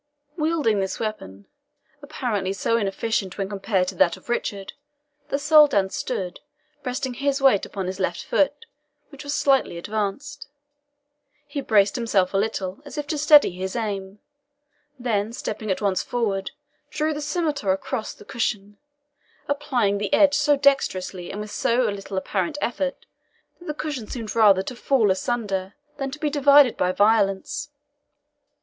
Wielding this weapon, apparently so inefficient when compared to that of Richard, the Soldan stood resting his weight upon his left foot, which was slightly advanced; he balanced himself a little, as if to steady his aim; then stepping at once forward, drew the scimitar across the cushion, applying the edge so dexterously, and with so little apparent effort, that the cushion seemed rather to fall asunder than to be divided by violence.